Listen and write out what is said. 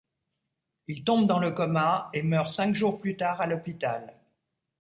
Il tombe dans le coma et meurt cinq jours plus tard à l'hôpital.